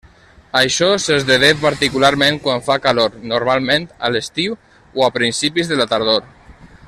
Això s'esdevé particularment quan fa calor, normalment a l'estiu o a principis de la tardor.